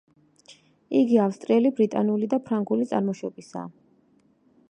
იგი ავსტრიელი, ბრიტანული და ფრანგული წარმოშობისაა.